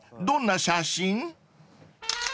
どんな写真？］